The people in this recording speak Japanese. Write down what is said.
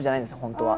本当は。